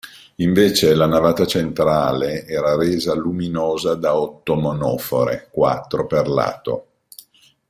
Invece la navata centrale era resa luminosa da otto monofore, quattro per lato.